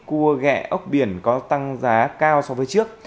cua gẹ ốc biển có tăng giá cao so với trước